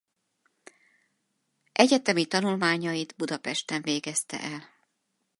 Egyetemi tanulmányait Budapesten végezte el.